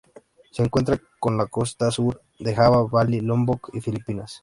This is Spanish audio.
Se encuentra en la costa sur de Java, Bali, Lombok y Filipinas.